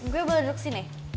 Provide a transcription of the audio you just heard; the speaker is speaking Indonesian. gue boleh duduk sini